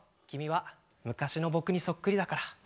君は昔の僕にそっくりだから。